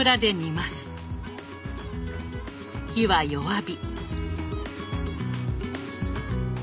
火は弱火。